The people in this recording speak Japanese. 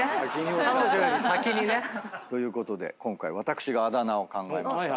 彼女より先にね。ということで今回私があだ名を考えました。